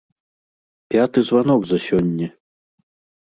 Пяты званок за сёння!